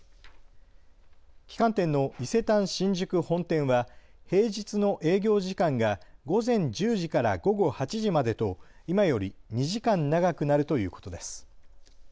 旗艦店の伊勢丹新宿本店は平日の営業時間が午前１０時から午後８時までと今より２時間長くなるということです。